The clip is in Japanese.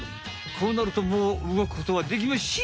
こうなるともう動くことはできましぇん！